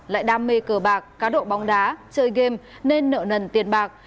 lại đam mê cờ bạc cá độ bóng đá chơi game nên nợ nần tiền bạc